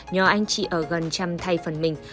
nhờ anh chị ở gần chăm thay phần mình